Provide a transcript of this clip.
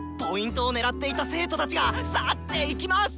Ｐを狙っていた生徒たちが去っていきます！